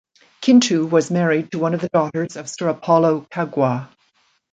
Kintu was married to one of the daughters of Sir Apollo Kaggwa.